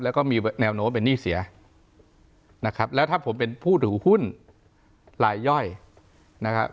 แล้วก็มีแนวโน้มเป็นหนี้เสียนะครับแล้วถ้าผมเป็นผู้ถือหุ้นลายย่อยนะครับ